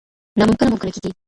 نا ممکنه ممکنه کېږي.